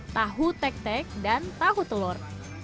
tahu tek tek dan tahu telur